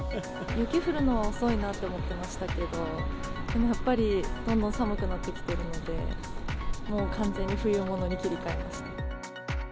雪降るのは遅いなって思ってましたけど、でもやっぱり、どんどん寒くなってきているので、もう、完全に冬物に切り替えました。